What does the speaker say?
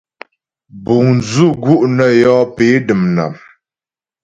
Buŋ dzʉ̂ gu' nə yɔ́ pé dəm nám.